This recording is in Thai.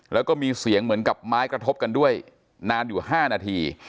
แล้วก็มีเสียงเหมือนกับไม้กระทบกันด้วยนานอยู่๕นาที